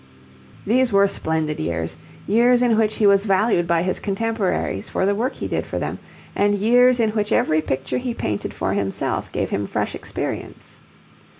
These were splendid years, years in which he was valued by his contemporaries for the work he did for them, and years in which every picture he painted for himself gave him fresh experience.